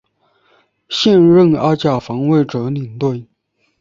现任阿甲防卫者领队。